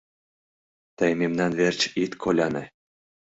Тый мемнан верч ит коляне.